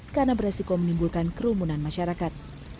karena beresiko menimbulkan kerumunan masyarakat